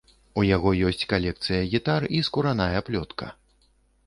У яго ёсць калекцыя гітар і скураная плётка.